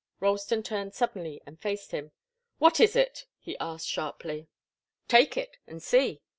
Ralston turned suddenly and faced him. "What is it?" he asked sharply. "Take it, and see."